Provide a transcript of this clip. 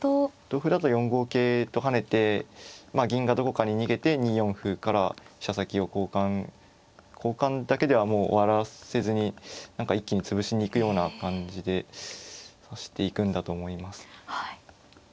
同歩だと４五桂と跳ねて銀がどこかに逃げて２四歩から飛車先を交換交換だけではもう終わらせずに何か一気に潰しに行くような感じで指していくんだと思います。